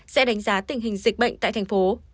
sẽ đánh giá tình hình dịch bệnh tại thành phố